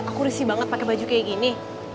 aku risih banget pakai baju kayak gini